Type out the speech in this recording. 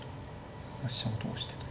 飛車を通してと。